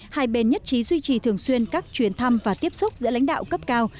hai bên nhất trí duy trì thường xuyên các chuyến thăm và tiếp xúc giữa lãnh đạo cấp cao